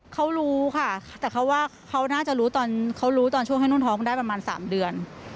เขารู้ค่ะแต่เขาว่าเขาน่าจะรู้ตอนเขารู้ตอนช่วงให้นุ่นท้องได้ประมาณ๓เดือน